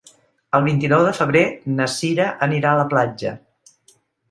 El vint-i-nou de febrer na Cira anirà a la platja.